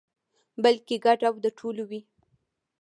بلکې ګډ او د ټولو وي.